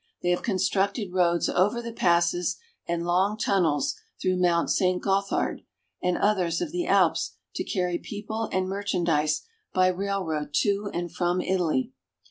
They have constructed roads over the passes, and long tunnels through Mount Saint Gothard and others of the Alps, to carry people and merchandise by railroad to and from Italy.